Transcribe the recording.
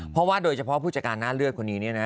เพราะว่าโดยเฉพาะผู้จัดการหน้าเลือดคนนี้เนี่ยนะ